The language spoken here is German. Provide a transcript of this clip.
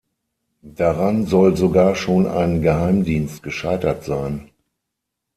Daran soll sogar schon ein Geheimdienst gescheitert sein.